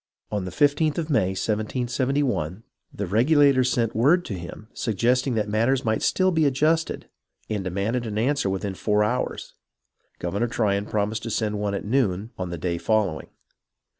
On the 15th of May, 1771, the Regulators sent word to him suggesting that matters might still be adjusted, and demanded an answer within four hours. Governor Tryon promised to send one at noon on the day following.